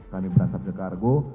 kami berangkat ke kargo